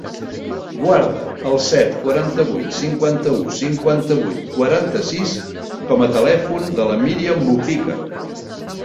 Guarda el set, quaranta-vuit, cinquanta-u, cinquanta-vuit, quaranta-sis com a telèfon de la Míriam Mujica.